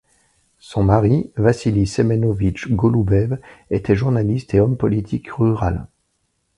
Son mari, Vassili Semenovitch Goloubev, était journaliste et homme politique rural.